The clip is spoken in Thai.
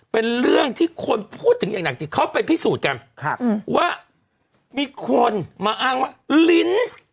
เป็นเรื่องที่คนพูดถึงอย่างหนักจริงเขาไปพิสูจน์กันว่ามีคนมาอ้างว่าลิ้น